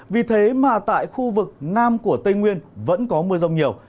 vì thế mà tại khu vực nam của tây nguyên vẫn có mưa rông nhiều